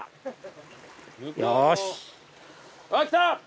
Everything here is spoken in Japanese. あっきた！